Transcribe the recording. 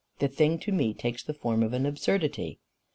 The thing to me takes the form of an absurdity."